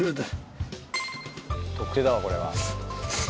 特製だわこれは。